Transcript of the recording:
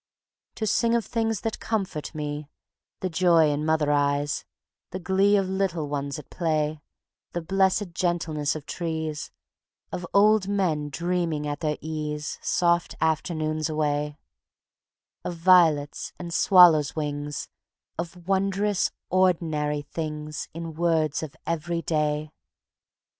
To sing of things that comfort me, The joy in mother eyes, the glee Of little ones at play; The blessed gentleness of trees, Of old men dreaming at their ease Soft afternoons away; Of violets and swallows' wings, Of wondrous, ordinary things In words of every day.